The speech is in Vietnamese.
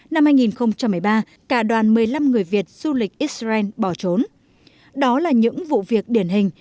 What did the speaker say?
năm hai nghìn một mươi ba cả đoàn một mươi năm người việt du lịch israel bỏ trốn đó là những vụ việc điển hình